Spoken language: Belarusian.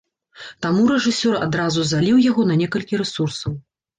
Таму рэжысёр адразу заліў яго на некалькі рэсурсаў.